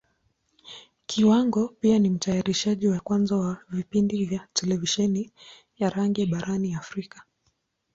Kiwango pia ni Mtayarishaji wa kwanza wa vipindi vya Televisheni ya rangi barani Africa.